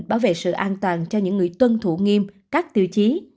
bảo vệ sự an toàn cho những người tuân thủ nghiêm các tiêu chí